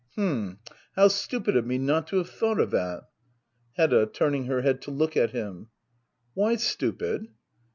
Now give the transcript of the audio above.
H'm — how stupid of me not to have thought of that! Hedda. [Turning her head to look at him.'] Why stupid